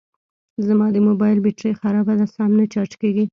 زما د موبایل بېټري خرابه ده سم نه چارج کېږي